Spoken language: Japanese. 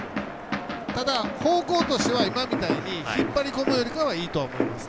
ただ、方向としては引っ張り込むよりかはいいかと思います。